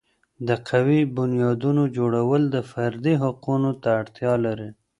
د قوي بنیادونو جوړول د فردي حقوقو ته اړتیا لري.